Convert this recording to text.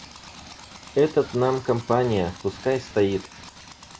Этот нам компания — пускай стоит.